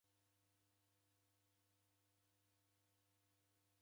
Ndoe ndineri niro riandikilo.